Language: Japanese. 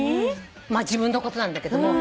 まあ自分のことなんだけど。